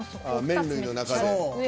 麺類の中で。